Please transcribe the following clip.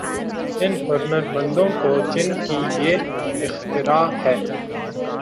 ان ہنرمندوں کو جن کی یہ اختراع ہے۔